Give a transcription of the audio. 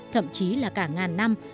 thậm chí là cả ngàn năm